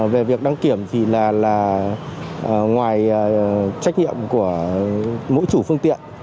về việc đăng kiểm thì là ngoài trách nhiệm của mỗi chủ phương tiện